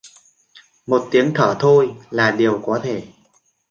Một tiếng thở thôi, là điều có thể